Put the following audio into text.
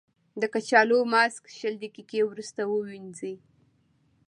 د کچالو ماسک شل دقیقې وروسته ووينځئ.